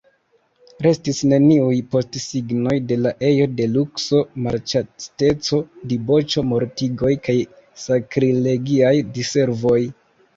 Restis neniuj postsignoj de la ejo de lukso, malĉasteco, diboĉo, mortigoj kaj sakrilegiaj diservoj.